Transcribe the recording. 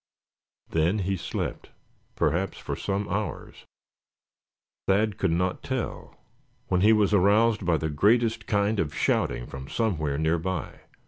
Then he slept, perhaps for some hours, Thad could not tell; when he was aroused by the greatest kind of shouting from somewhere near by.